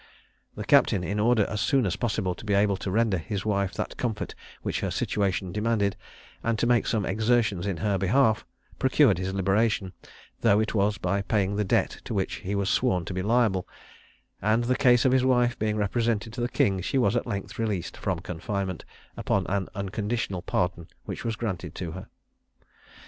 The captain, in order as soon as possible to be able to render his wife that comfort which her situation demanded, and to make some exertions in her behalf, procured his liberation, though it was by paying the debt to which he was sworn to be liable; and the case of his wife being represented to the king, she was at length released from confinement, upon an unconditional pardon which was granted to her.